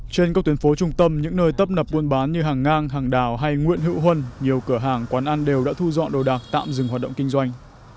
trên các tuyến phố trung tâm những nơi tấp nập buôn bán như hàng ngang hàng đào hay nguyễn hữu huân nhiều cửa hàng quán ăn đều đã thu dọn đồ đạc tạm dừng hoạt động kinh doanh